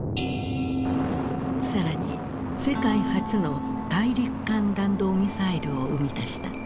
更に世界初の大陸間弾道ミサイルを生み出した。